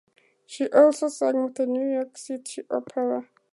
She also sang with the New York City Opera.